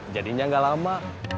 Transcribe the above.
jadinya gak lama